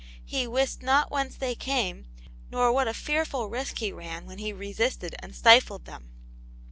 He wist not whence they came, nor what a fearful risk he ran when he resisted and stifled them.